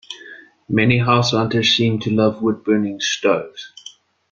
Many househunters seem to love woodburning stoves.